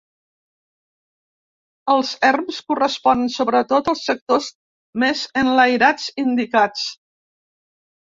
Els erms corresponen sobretot als sectors més enlairats indicats.